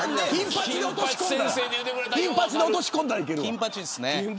金八に落とし込んだらいけるわ。